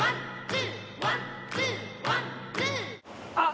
あっ！